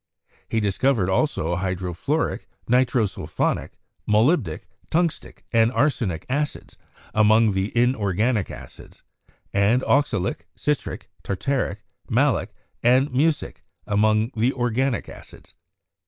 He discovered also hydrofluoric, nitro sulphonic, molybdic, tungstic, and arsenic acids among the inorganic acids; and oxalic, citric, tartaric, malic and mucic among the organic acids.